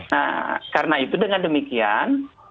nah karena itu dengan demikian